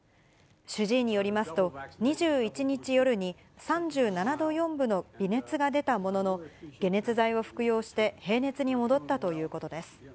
主治医によりますと、２１日夜に３７度４分の微熱が出たものの、解熱剤を服用して、平熱に戻ったということです。